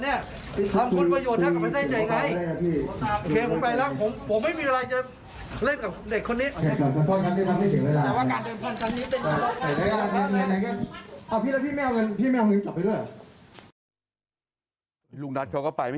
ทำคนประโยชน์ให้กับประเทศใหญ่ไง